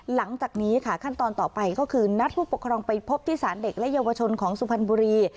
หลังจากนี้ค่ะขั้นตอนต่อไปก็คือนัดผู้ปกครองไปพบที่สารเด็กและเยาวชนของสุพรรณบุรี